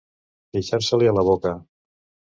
Pixar-se-li a la boca.